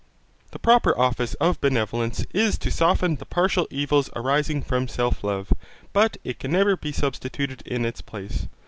The proper office of benevolence is to soften the partial evils arising from self love, but it can never be substituted in its place.